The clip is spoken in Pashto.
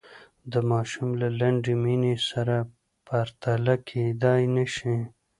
د ماشوم له لنډې مینې سره پرتله کېدلای نه شي.